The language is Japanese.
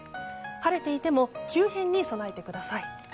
晴れていても急変に備えてください。